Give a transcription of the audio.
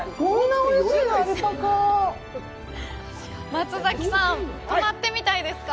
松崎さん、泊まってみたいですか？